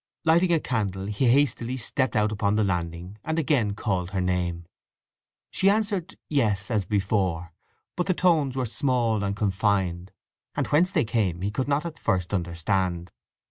Lighting a candle he hastily stepped out upon the landing, and again called her name. She answered "Yes!" as before, but the tones were small and confined, and whence they came he could not at first understand.